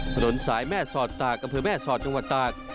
ถนนสายแม่สอดตากอำเภอแม่สอดจังหวัดตาก